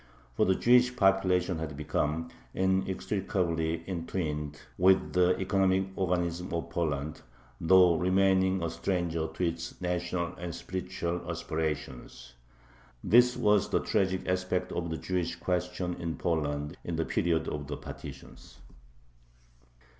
For the Jewish population had become inextricably entwined with the economic organism of Poland, though remaining a stranger to its national and spiritual aspirations. This was the tragic aspect of the Jewish question in Poland in the period of the partitions.